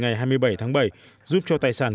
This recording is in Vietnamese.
ngày hai mươi bảy tháng bảy giúp cho tài sản